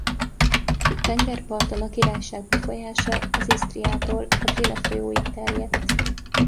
A tengerparton a királyság befolyása az Isztriától a Drina folyóig terjedt.